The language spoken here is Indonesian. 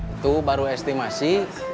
itu baru estimasi